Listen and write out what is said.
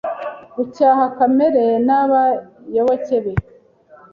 Gucyaha kamere n'abayoboke be